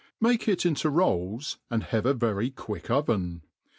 Make it into rolls, and have a very quick oven.